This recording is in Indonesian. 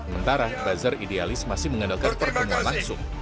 mentara buzzer idealis masih mengandalkan perkembangan langsung